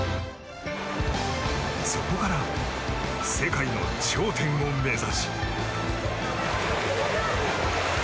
そこから世界の頂点を目指し。